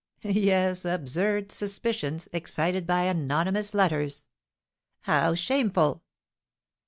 "Yes, absurd suspicions, excited by anonymous letters." "How shameful!"